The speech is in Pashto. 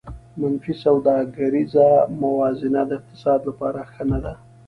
منفي سوداګریزه موازنه د اقتصاد لپاره ښه نه ده